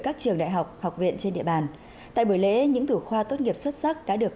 các trường đại học học viện trên địa bàn tại buổi lễ những thủ khoa tốt nghiệp xuất sắc đã được